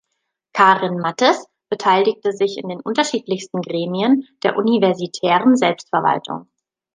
Karin Mathes beteiligte sich in den unterschiedlichsten Gremien der universitären Selbstverwaltung.